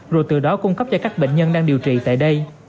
rồi từ đó cung cấp cho các bệnh nhân đang điều trị tại đây